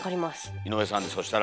井上さんでそしたら。